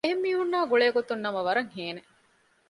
އެހެން މީހުންނާ ގުޅޭ ގޮތުން ނަމަ ވަރަށް ހޭނނެ